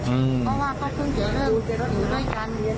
อืมเพราะว่าเขาเพิ่งจะเริ่มอยู่ด้วยกัน